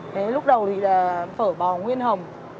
thế lúc đầu thì là phở bò nguyên hồng